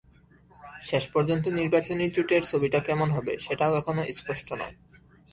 শেষ পর্যন্ত নির্বাচনী জোটের ছবিটা কেমন হবে, সেটাও এখনো স্পষ্ট নয়।